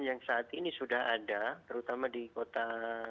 yang saat ini sudah ada terutama di kota